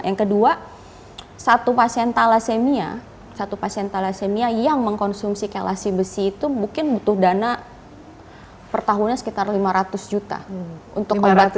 yang kedua satu pasien thalassemia yang mengkonsumsi kelasi besi itu mungkin butuh dana pertahunnya sekitar lima ratus juta